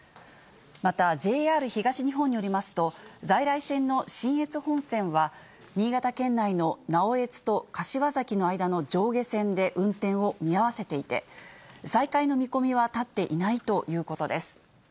またＪＲ東日本によりますと、在来線の信越本線は、新潟県内の直江津と柏崎の間の上下線で運転を見合わせていて、再開の見込みは立っていないということです。